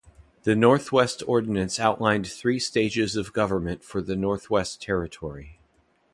The Northwest Ordinance outlined three stages of government for the Northwest Territory.